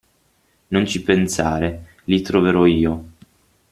Non ci pensare, li troverò io.